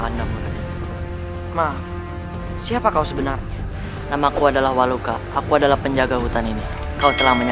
sampai jumpa di video selanjutnya